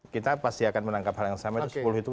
kita pasti akan menangkap hal yang sama itu sepuluh itu